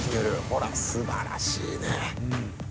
ほら、すばらしいね。